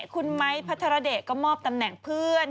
คุณไม้พัทรเดชก็มอบตำแหน่งเพื่อน